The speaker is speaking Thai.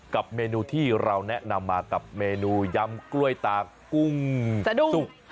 กับเมนูที่เราแนะนำมากับเมนูยำกล้วยตากุ้งสุก